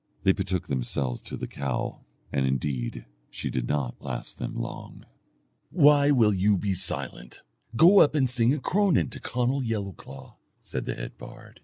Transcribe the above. They betook themselves to the cow, and indeed she did not last them long. "'Why will you be silent? Go up and sing a cronan to Conall Yellowclaw,' said the head bard.